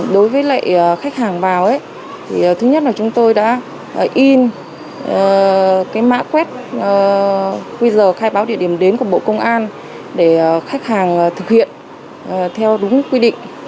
đối với lệ khách hàng vào thứ nhất là chúng tôi đã in mã quét quy giờ khai báo địa điểm đến của bộ công an để khách hàng thực hiện theo đúng quy định